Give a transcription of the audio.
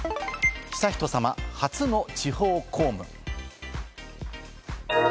悠仁さま、初の地方公務。